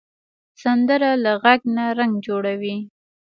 سندره له غږ نه رنګ جوړوي